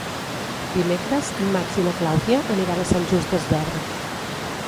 Dimecres en Max i na Clàudia aniran a Sant Just Desvern.